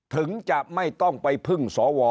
ถึงจะไม่ต้องไปพึ่งสว